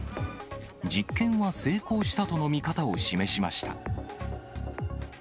実験は成功したとの見方を示しました。